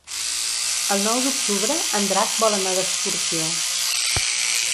El nou d'octubre en Drac vol anar d'excursió.